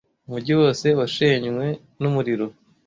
Umujyi wose washenywe n'umuriro.